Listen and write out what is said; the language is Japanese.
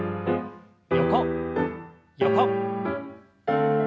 横横。